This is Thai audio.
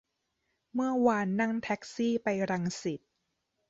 เมื่อวานนั่งแท็กซี่ไปรังสิต